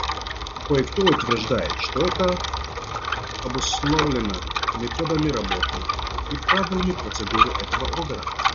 Кое-кто утверждает, что это обусловлено методами работы и правилами процедуры этого органа.